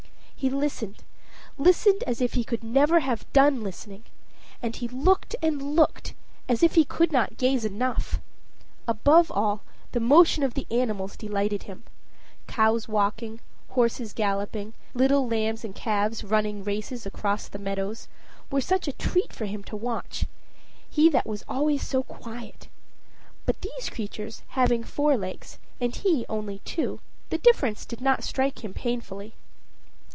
He listened, listened, as if he could never have done listening. And he looked and looked, as if he could not gaze enough. Above all, the motion of the animals delighted him: cows walking, horses galloping, little lambs and calves running races across the meadows, were such a treat for him to watch he that was always so quiet. But, these creatures having four legs, and he only two, the difference did not strike him painfully.